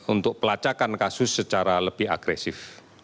untuk pelacakan kasus secara lebih agresif